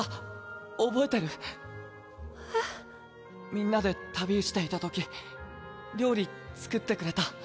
みんなで旅していたとき料理作ってくれた。